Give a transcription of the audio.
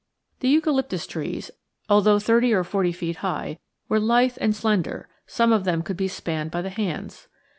The eucalyptus trees, although thirty or forty feet high, were lithe and slender; some of them could be spanned by the hands.